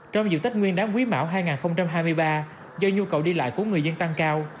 trong dự tách nguyên đám quý mạo hai nghìn hai mươi ba do nhu cầu đi lại của người dân tăng cao